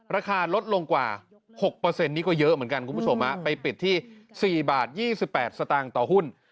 ราคาลดลงกว่า๖นี่ก็เยอะเหมือนกันคุณผู้ชมไปปิดที่๔บาท๒๘สตางค์ต่อหุ้น